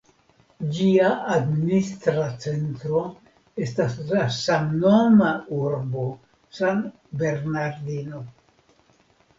Ĝia administra centro estas la samnoma urbo San Bernardino.